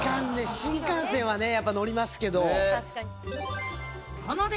新幹線はね、やっぱ乗りますけど。